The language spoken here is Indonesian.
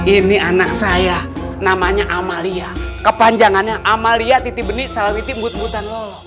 ini anak saya namanya amalia kepanjangannya amalia titi benih salawiti but butan lolong